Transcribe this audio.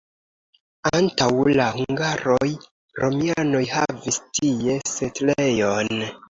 Antaŭ la hungaroj romianoj havis tie setlejon.